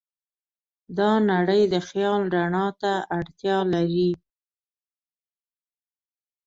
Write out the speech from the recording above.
دا نړۍ د خیال رڼا ته اړتیا لري.